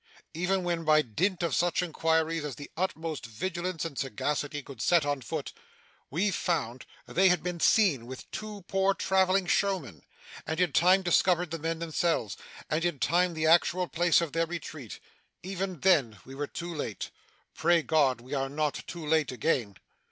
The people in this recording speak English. Even when by dint of such inquiries as the utmost vigilance and sagacity could set on foot, we found they had been seen with two poor travelling showmen and in time discovered the men themselves and in time, the actual place of their retreat; even then, we were too late. Pray God, we are not too late again!